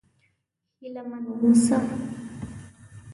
هيله من و اوسه!